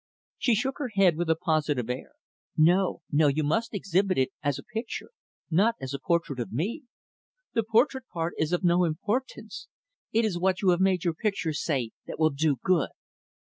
She shook her head, with a positive air. "No, no; you must exhibit it as a picture; not as a portrait of me. The portrait part is of no importance. It is what you have made your picture say, that will do good."